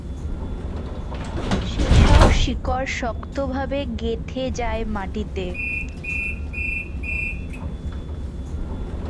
সেসব শিকড় শক্তভাবে গেঁথে যায় মাটিতে।